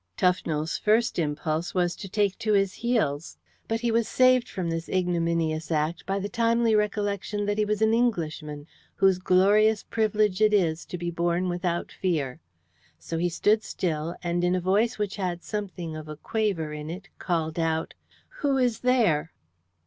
Tufnell's first impulse was to take to his heels, but he was saved from this ignominious act by the timely recollection that he was an Englishman, whose glorious privilege it is to be born without fear. So he stood still, and in a voice which had something of a quaver in it, called out: "Who is there?"